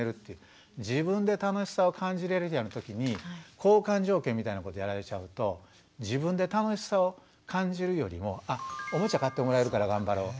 自分で楽しさを感じれる時に交換条件みたいなことやられちゃうと自分で楽しさを感じるよりもおもちゃ買ってもらえるから頑張ろうとかね